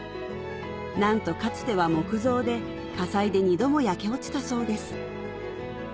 なんとかつては木造で火災で２度も焼け落ちたそうです